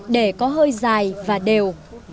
để có hơi dài và đều